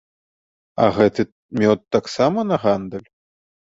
А гэты мёд таксама на гандаль?